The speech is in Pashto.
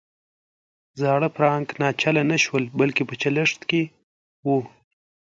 زاړه فرانک ناچله نه شول بلکې په چلښت کې وو.